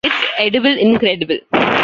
It's Edible Incredible!